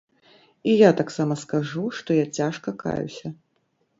І я таксама скажу, што я цяжка каюся.